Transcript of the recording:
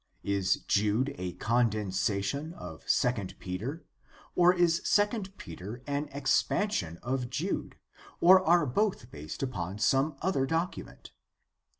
Is Jude a condensation of II Peter, or is II Peter an expansion of Jude, or are both based upon some other document